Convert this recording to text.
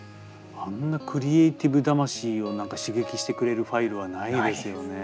あんなクリエーティブ魂を何か刺激してくれるファイルはないですよね。